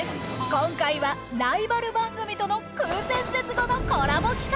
今回はライバル番組との空前絶後のコラボ企画。